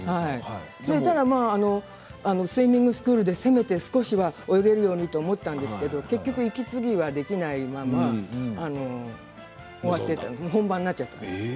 ただ、スイミングスクールでせめて少し泳げるようにと思ったんですけれど結局息継ぎができないまま終わっていた、もう本番になっちゃった。